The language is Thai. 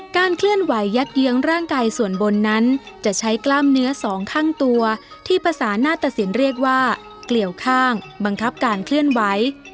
เคลื่อนไหวยับเยื้องร่างกายส่วนบนนั้นจะใช้กล้ามเนื้อสองข้างตัวที่ภาษาหน้าตะสินเรียกว่าเกลี่ยวข้างบังคับการเคลื่อนไหว